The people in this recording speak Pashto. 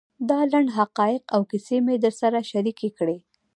دا لنډ حقایق او کیسې مې در سره شریکې کړې.